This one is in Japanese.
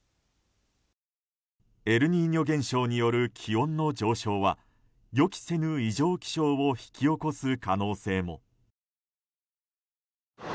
エルニーニョ現象による気温の上昇は予期せぬ異常気象を引き起こす可能性も。